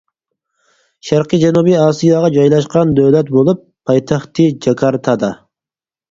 شەرقىي جەنۇبىي ئاسىياغا جايلاشقان دۆلەت بولۇپ، پايتەختى جاكارتادا.